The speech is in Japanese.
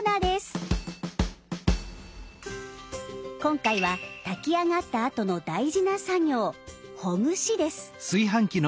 今回は炊きあがったあとの大事な作業ほぐしです。